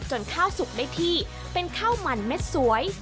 ข้าวสุกได้ที่เป็นข้าวมันเม็ดสวย